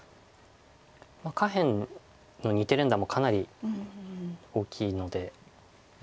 下辺の２手連打もかなり大きいので。